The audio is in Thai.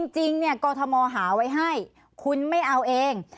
จริงกรทมหาไว้ให้คุณไม่เอาเอง